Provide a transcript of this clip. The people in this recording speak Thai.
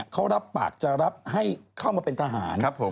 เขารับปากจะรับให้เข้ามาเป็นทหาร